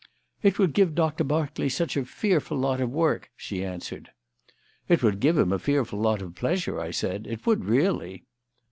"It would give Doctor Berkeley such a fearful lot of work," she answered. "It would give him a fearful lot of pleasure," I said. "It would, really."